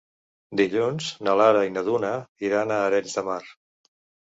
Dilluns na Lara i na Duna iran a Arenys de Mar.